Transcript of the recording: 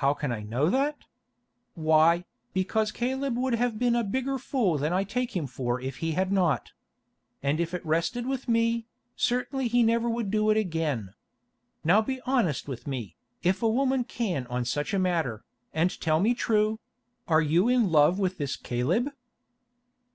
"How can I know that? Why, because Caleb would have been a bigger fool than I take him for if he had not. And if it rested with me, certainly he never would do it again. Now be honest with me, if a woman can on such a matter, and tell me true: are you in love with this Caleb?"